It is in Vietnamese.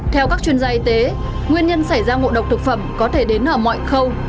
theo các chuyên gia y tế nguyên nhân xảy ra ngộ độc thực phẩm có thể đến ở mọi khâu